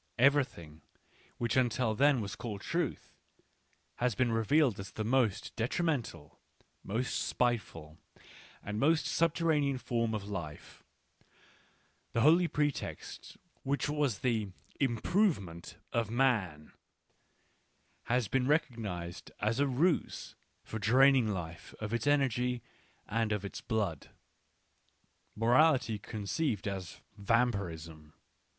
Everything which until then was called truth, has been revealed as the most de trimental, most spiteful, and most subterranean form of life ; the holy pretext, which was the " improve ment " of man, has been recognised as a ruse for draining life of its energy and of its blood. Mor ality conceived as Vampirism.